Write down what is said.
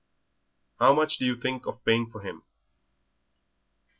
"How much do you think of paying for him?"